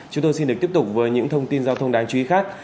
chúng tôi xin được tiếp tục với những thông tin giao thông đáng chú ý khác